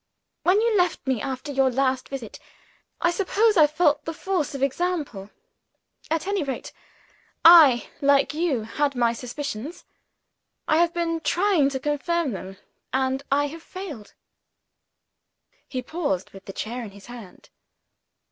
When you left me after your last visit, I suppose I felt the force of example. At any rate I, like you, had my suspicions. I have been trying to confirm them and I have failed." He paused, with the chair in his hand.